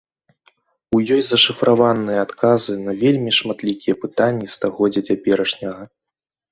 У ёй зашыфраваныя адказы на вельмі шматлікія пытанні стагоддзя цяперашняга.